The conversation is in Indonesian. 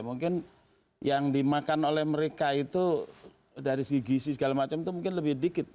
mungkin yang dimakan oleh mereka itu dari segi gisi segala macam itu mungkin lebih dikit